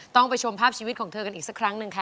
ต้องไปชมภาพชีวิตของเธอกันอีกสักครั้งหนึ่งค่ะ